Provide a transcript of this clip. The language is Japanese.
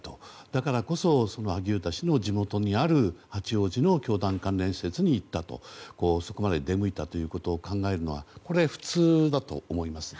だからこそ、萩生田氏の地元にある八王子の教団関連施設に行ったとそこまで出向いたということを考えるのはこれは普通だと思います。